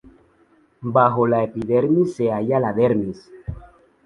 Bajo la epidermis se halla la dermis.